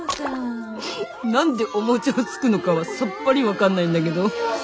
何でお餅をつくのかはさっぱり分かんないんだけど。